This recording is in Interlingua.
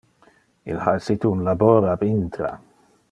Il ha essite un labor ab intra.